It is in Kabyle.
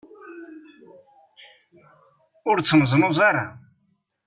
Ur ttneẓnuẓ ara.